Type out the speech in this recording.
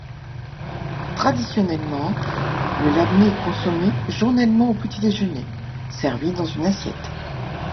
Traditionnellement, le labné est consommé journellement au petit-déjeuner, servi dans une assiette.